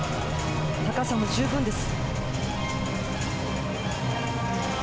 高さも十分です。